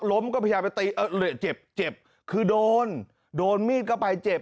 ล้มก็พยายามไปตีเออเหลือเจ็บเจ็บคือโดนโดนมีดเข้าไปเจ็บ